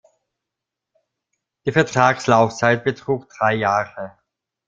Die Vertragslaufzeit betrug drei Jahre.